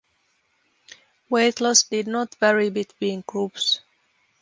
Weight loss did not vary between groups.